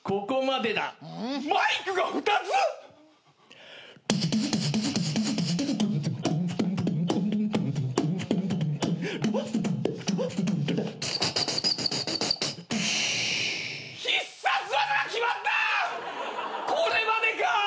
これまでか。